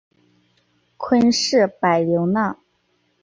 昆士柏流浪